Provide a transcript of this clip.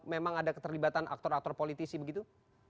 memang ada keterlibatan aktor aktor politisi begitu